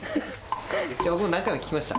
僕も何回も聞きました。